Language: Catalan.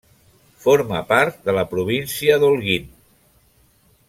Forma part de la província d'Holguín.